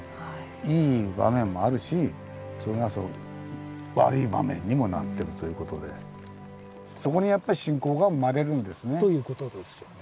いい場面もあるしそれが悪い場面にもなってるということでそこにやっぱり信仰が生まれるんですね。ということですよね。